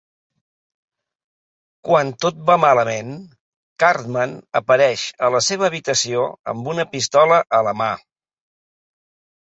Quan tot va malament, Cartman apareix a la seva habitació amb una pistola a la mà.